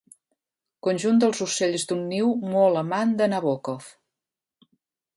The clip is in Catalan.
Conjunt dels ocells d'un niu molt amant de Nabòkov.